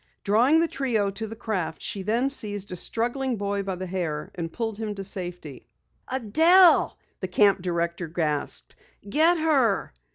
Drawing the trio to the craft, she then seized a struggling boy by the hair, and pulled him to safety. "Adelle!" the camp director gasped. "Get her!"